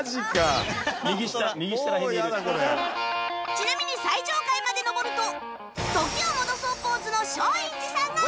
ちなみに最上階まで上ると時を戻そうポーズの松陰寺さんがお出迎え！